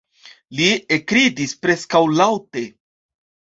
Li ekridis preskaŭ laŭte.